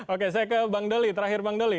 oke saya ke bang doli terakhir bang doli